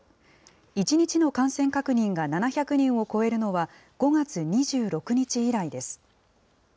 １日の感染確認が７００人を超えるのは、５月２６日以来です。